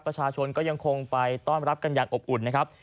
ประชาชนก็ยังคงไปต้อนรับกันอย่างอบอุ่นนะครับ